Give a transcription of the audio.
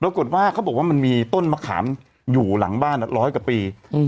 ปรากฏว่าเขาบอกว่ามันมีต้นมะขามอยู่หลังบ้านร้อยกว่าปี